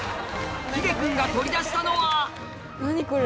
秀くんが取り出したのは何？